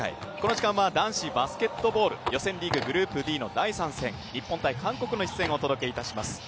この時間は男子バスケットボール、予算リーグ、グループＤの第３戦日本×韓国の一戦をお届けします。